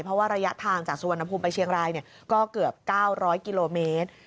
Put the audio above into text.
เพราะว่าระยะทางจากสุวรรณภูมิไปเชียงรายก็เกือบ๙๐๐กิโลเมตร